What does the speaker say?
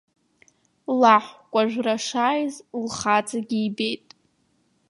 Лаҳкәажәра шааиз лхаҵагьы ибеит.